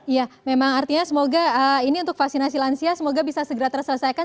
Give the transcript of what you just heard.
iya memang artinya semoga ini untuk vaksinasi lansia semoga bisa segera terselesaikan